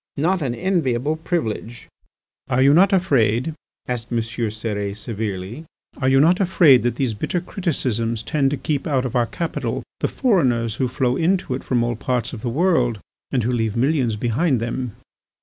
Not an enviable privilege!" "Are you not afraid," asked M. Cérès severely, "are you not afraid that these bitter criticisms tend to keep out of our capital the foreigners who flow into it from all arts of the world and who leave millions behind them?"